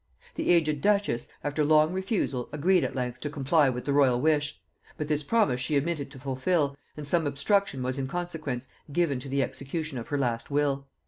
The aged duchess, after long refusal, agreed at length to comply with the royal wish: but this promise she omitted to fulfil, and some obstruction was in consequence given to the execution of her last will.